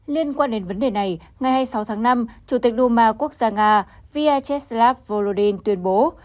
liên quan đến vấn đề này ngày hai mươi sáu tháng năm chủ tịch đu ma quốc gia nga vyacheslav volodin tuyên bố